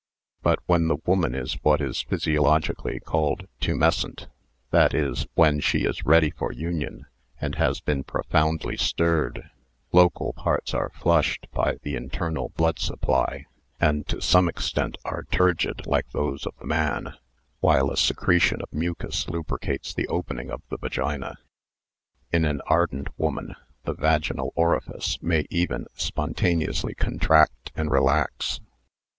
But when the woman is what is physiologically called tumescent (that is, when she is ready for union and has been profoundly stirred) local parts are flushed by the internal blood supply and to some extent are turgid like those of the man, while a secretion of mucus lubricates the opening of the vagina. In an ardent woman the vaginal orifice may even spontaneously contract and relax.